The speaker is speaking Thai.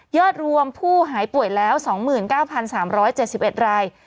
อดรวมผู้หายป่วยแล้ว๒๙๓๗๑ราย